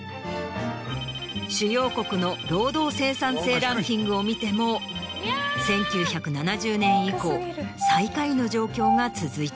主要国の労働生産性ランキングを見ても１９７０年以降最下位の状況が続いている。